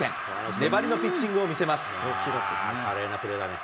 粘りのピッチングを見せます。